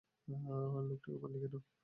লোকটাকে মারলি কেন?